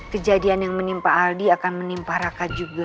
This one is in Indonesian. kejadian yang menimpa aldi akan menimpa raka juga